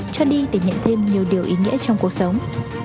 cho đi để nhận thêm nhiều điều ý nghĩa trong cuộc sống